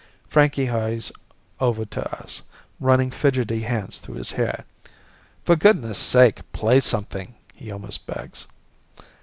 Frankie hurries over to us, running fidgety hands through his hair. "For goodness sake, play something," he almost begs.